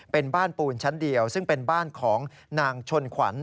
เป็นบ้านปูนชั้นเดียวซึ่งเป็นบ้านของนางชนขวัญ